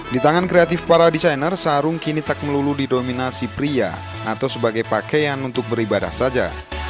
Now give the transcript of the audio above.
di tangan kreatif para desainer sarung kini tak melulu didominasi pria atau sebagai pakaian untuk beribadah saja